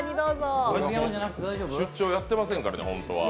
出張やってませんからね、本当は。